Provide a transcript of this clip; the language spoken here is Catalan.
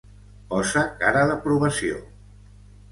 Posa cara d'aprovació.